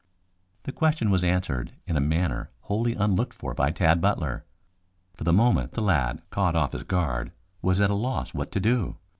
The question was answered in a manner wholly unlooked for by Tad Butler. For the moment the lad, caught off his guard, was at a loss what to do.